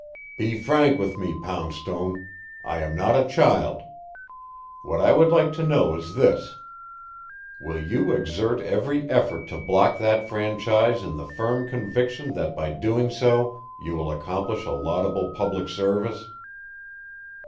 "Be frank with me, Poundstone. I am not a child. What I would like to know is this: will you exert every effort to block that franchise in the firm conviction that by so doing you will accomplish a laudable public service?"